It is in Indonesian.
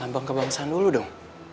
lambang kebangsaan dulu dong